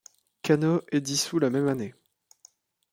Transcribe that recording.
Kano est dissout la même année.